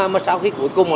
mà sau khi cuối cùng